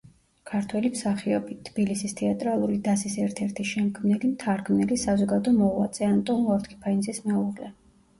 ქართველი მსახიობი, თბილისის თეატრალური დასის ერთ-ერთი შემქმნელი, მთარგმნელი, საზოგადო მოღვაწე, ანტონ ლორთქიფანიძის მეუღლე.